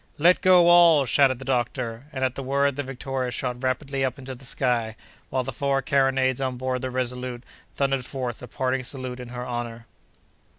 "Let go all!" shouted the doctor, and at the word the Victoria shot rapidly up into the sky, while the four carronades on board the Resolute thundered forth a parting salute in her honor.